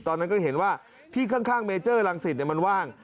ตอนนั้นก็เห็นว่าที่ข้างเมเจอร์รังสิตมันว่าง